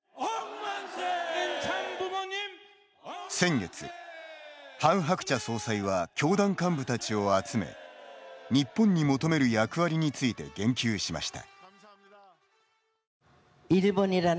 先月、ハン・ハクチャ総裁は教団幹部たちを集め日本に求める役割について言及しました。